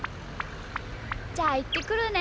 じゃあいってくるね。